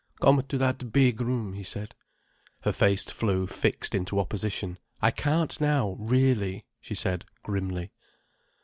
"Come to that big room—" he said. Her face flew fixed into opposition. "I can't now, really," she said grimly.